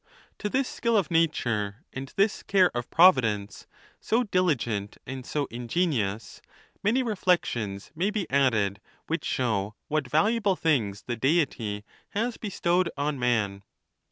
LVI. To this skill of nature, and this care of providence, so diligent and so ingenious, many reflections may be add ed, which show what valuable things the Deity has be stowed on man.